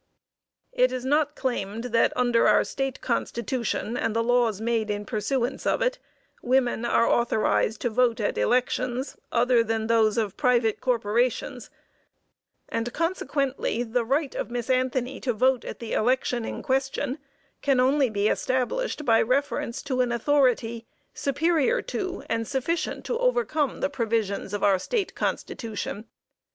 It is not claimed that, under our State constitution and the laws made in pursuance of it, women are authorized to vote at elections, other than those of private corporations, and, consequently, the right of Miss Anthony to vote at the election in question, can only be established by reference to an authority superior to and sufficient to overcome the provisions of our State constitution.